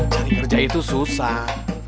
cari kerja itu susah